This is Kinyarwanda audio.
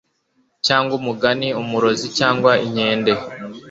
cyangwa umugani, umurozi, cyangwa inkende